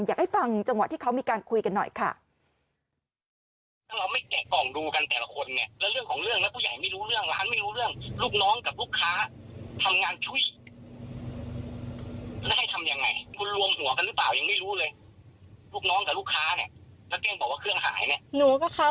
อยากให้ฟังจังหวะที่เขามีการคุยกันหน่อยค่ะ